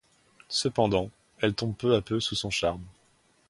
Cependant, elle tombe peu à peu sous son charme.